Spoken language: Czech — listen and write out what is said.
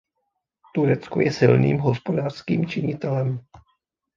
Turecko je silným hospodářským činitelem.